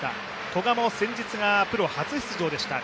古賀も先日がプロ初出場でした。